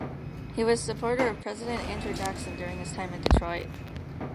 He was supporter of President Andrew Jackson during his time in Detroit.